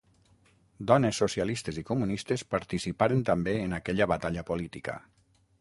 Dones socialistes i comunistes participaren també en aquella batalla política.